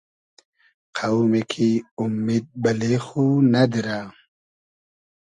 قۆمی کی اومید بئلې خو نئدیرۂ